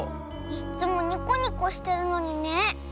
いっつもニコニコしてるのにね。